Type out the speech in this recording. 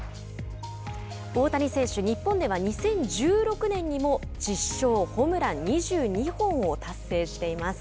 大谷選手、日本では２０１６年にも１０勝、ホームラン２２本を達成しています。